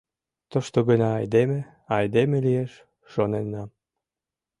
Тушто гына айдеме АЙДЕМЕ лиеш, шоненам...